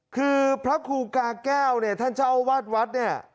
คือพระครูกาแก้วท่านเจ้าวาดวัด